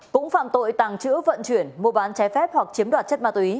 cũng phạm tội tàng trữ vận chuyển mua bán trái phép hoặc chiếm đoạt chất ma túy